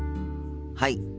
はい。